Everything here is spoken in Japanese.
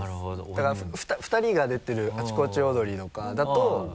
だから２人が出てる「あちこちオードリー」とかだと。